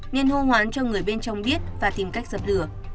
nên trong biết và tìm cách dập lửa